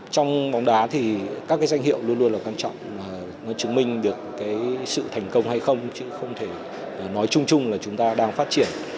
trong bóng đá thì các danh hiệu luôn luôn là quan trọng là nó chứng minh được sự thành công hay không chứ không thể nói chung chung là chúng ta đang phát triển